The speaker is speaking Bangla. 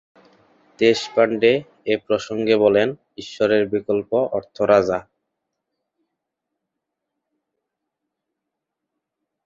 দেশপাণ্ডে এ প্রসঙ্গে বলেন, ঈশ্বরের বিকল্প অর্থ রাজা।